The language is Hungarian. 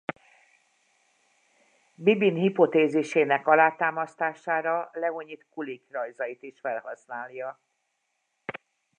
Bibin hipotézisének alátámasztására Leonyid Kulik rajzait is felhasználja.